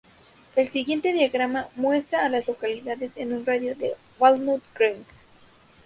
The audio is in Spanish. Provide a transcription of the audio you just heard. El siguiente diagrama muestra a las localidades en un radio de de Walnut Creek.